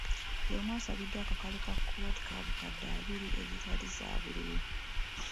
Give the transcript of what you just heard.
Buli omu asabiddwa akakalu ka kkooti ka bukadde abiri ezitali zaabuliwo.